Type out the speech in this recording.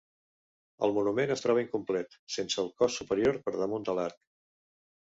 El monument es troba incomplet, sense el cos superior per damunt de l'arc.